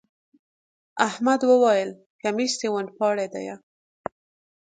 احمد وويل: کمیس د ونې پاڼې دی.